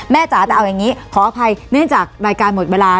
จ๋าแต่เอาอย่างนี้ขออภัยเนื่องจากรายการหมดเวลา